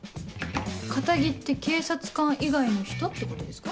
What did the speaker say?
「堅気」って警察官以外の人ってことですか？